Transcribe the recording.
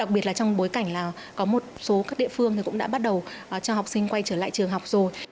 và có một số các địa phương thì cũng đã bắt đầu cho học sinh quay trở lại trường học rồi